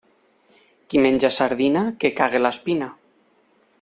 Qui menja sardina, que cague l'espina.